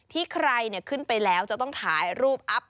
ที่ใครขึ้นไปแล้วจะต้องถ่ายรูปอัพ